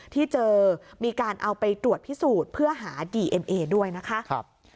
ที่เจอมีการเอาไปตรวจพิสูจน์เพื่อหาดีเอ็นเอด้วยนะคะ